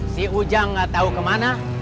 si ujang nggak tahu kemana